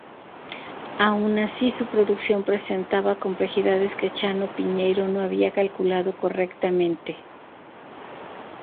Aun así, su producción presentaba complejidades que Chano Piñeiro no había calculado correctamente.